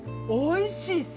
おいしい。